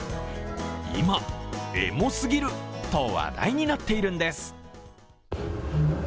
今、エモすぎると話題になっているんです。